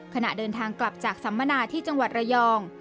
ขณะเดินทางกลับจากสัมมนาที่จังหวัดระยอง